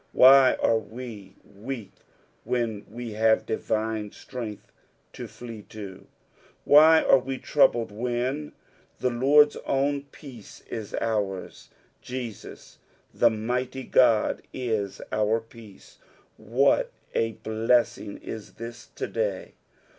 Why are we weak when we have divine strength to flee to 1 Why ore we troubled when the Lard's own peace is ours ) Jesus the mighty God is our peace — what a blessing te thia to day